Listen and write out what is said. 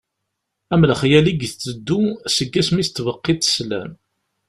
Am lexyal i tetteddu seg asmi s-tbeqqiḍ sslam.